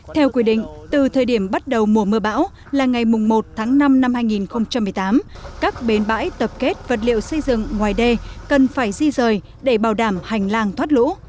theo quy định từ thời điểm bắt đầu mùa mưa bão là ngày một tháng năm năm hai nghìn một mươi tám các bến bãi tập kết vật liệu xây dựng ngoài đê cần phải di rời để bảo đảm hành lang thoát lũ